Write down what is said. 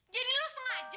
jadi lo sengaja